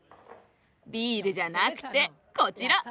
ビールじゃなくてこちら！